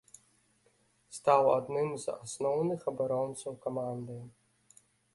Стаў адным з асноўных абаронцаў каманды.